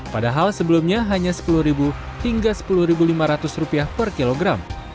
padahal sebelumnya hanya rp sepuluh hingga rp sepuluh lima ratus per kilogram